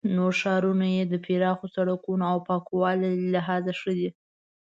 نور ښارونه یې د پراخو سړکونو او پاکوالي له لحاظه ښه دي.